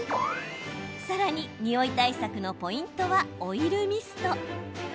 さらに、におい対策のポイントはオイルミスト。